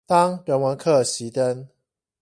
當人文課熄燈